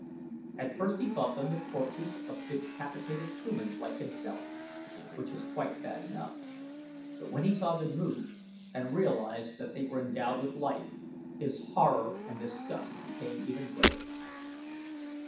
At first he thought them the corpses of decapitated humans like himself, which was quite bad enough; but when he saw them move and realized that they were endowed with life, his horror and disgust became even greater.